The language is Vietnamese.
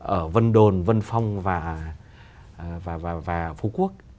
ở vân đồn vân phong và phú quốc